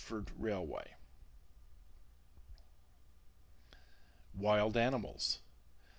Railway. Wild Animals.